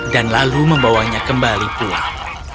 dan lalu membawanya kembali pulang